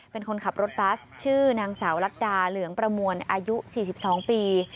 เป็นคนขับรถบัสชื่อนางสาวลัดดาเหลืองประมวลอายุ๔๒ปี